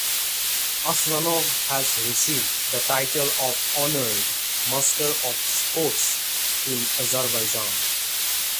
Aslanov has received the title of "Honored Master of Sports" in Azerbaijan.